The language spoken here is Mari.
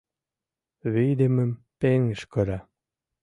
Вийдымым пеҥыж кыра.